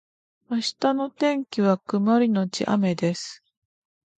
明日の天気は曇りのち雨です